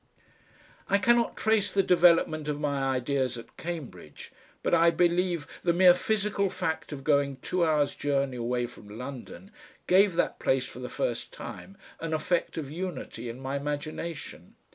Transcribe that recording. I cannot trace the development of my ideas at Cambridge, but I believe the mere physical fact of going two hours' journey away from London gave that place for the first time an effect of unity in my imagination.